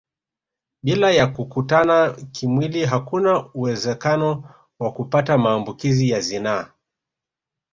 Bila ya kukutana kimwili hakuna uwezekano wa kupata maambukizi ya zinaa